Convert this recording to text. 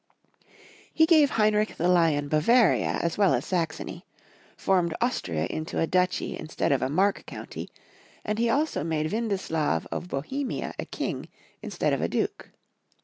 He gave Heinrich the Lion, Bavaria as well as Saxony, formed Austria into a duchy instead of a mark county, and he also made Windislav of Bo hemia a king instead of a duke.